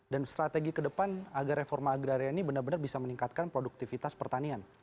dan strategi ke depan agar reforma agraria ini benar benar bisa meningkatkan produktivitas pertanian